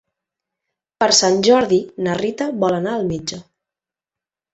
Per Sant Jordi na Rita vol anar al metge.